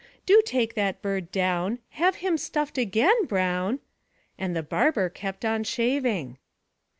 Do take that bird down; Have him stuffed again, Brown!' And the barber kept on shaving!